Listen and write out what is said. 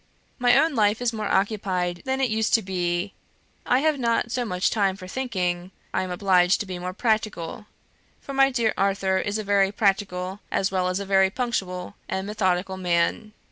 My own life is more occupied than it used to be I have not so much time for thinking I am obliged to be more practical, for my dear Arthur is a very practical, as well as a very punctual and methodical man.